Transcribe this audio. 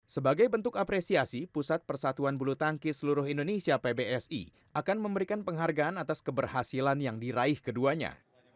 sebagai bentuk apresiasi pusat persatuan bulu tangki seluruh indonesia pbsi akan memberikan penghargaan atas keberhasilan yang diraih keduanya